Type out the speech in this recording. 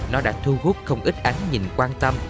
nó đã thu hút không ít ánh nhìn quan tâm